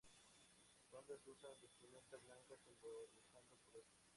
Los hombres usan vestimenta blanca, simbolizando pureza.